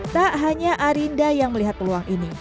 tak hanya arinda yang melihat peluang ini